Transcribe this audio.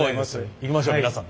いきましょう皆さん。